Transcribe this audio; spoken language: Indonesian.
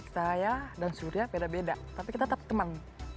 saya dan surya beda beda tapi kita tetap teman